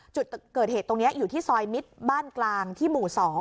จุดเกิดเหตุตรงนี้อยู่ที่ซอยมิตรบ้านกลางที่หมู่๒